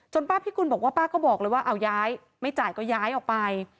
ป้าพิกุลบอกว่าป้าก็บอกเลยว่าเอาย้ายไม่จ่ายก็ย้ายออกไป